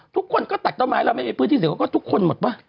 ทุกคนก็ตัดต้นไม้แล้วไม่มีพื้นที่เสี่ยงเขาก็ทุกคนหมดป่ะ